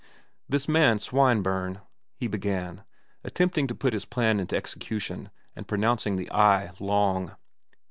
"This man Swineburne," he began, attempting to put his plan into execution and pronouncing the i long.